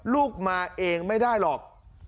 ลูกมาเองไม่ได้หรอก